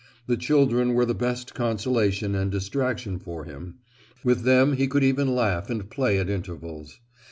The children were the best consolation and distraction for him; with them he could even laugh and play at intervals.